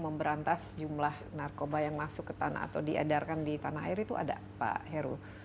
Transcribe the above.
memberantas jumlah narkoba yang masuk ke tanah atau diedarkan di tanah air itu ada pak heru